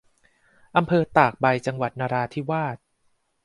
อำเภอตากใบ - จังหวัดนราธิวาส